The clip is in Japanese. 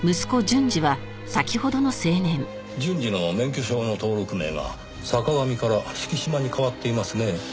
純次の免許証の登録名が「坂上」から「敷島」に変わっていますねぇ。